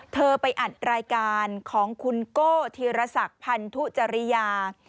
ไปอัดรายการของคุณโก้ธีรศักดิ์พันธุจริยา